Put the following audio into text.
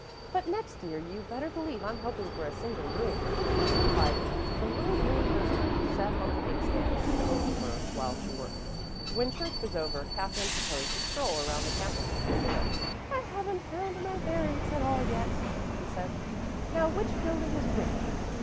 "But next year you better believe I'm hoping for a single room," she confided to the little green lizard who sat on her inkstand and ogled her while she worked. When church was over Katherine proposed a stroll around the campus before dinner. "I haven't found my bearings at all yet," she said. "Now which building is which?"